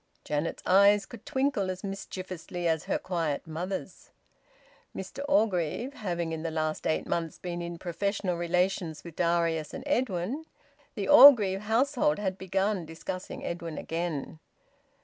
Janet's eyes could twinkle as mischievously as her quiet mother's. Mr Orgreave having in the last eight months been in professional relations with Darius and Edwin, the Orgreave household had begun discussing Edwin again.